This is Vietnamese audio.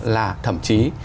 là thậm chí